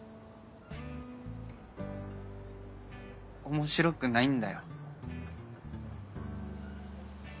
面白くないんだよ。